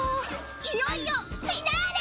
［いよいよフィナーレ！］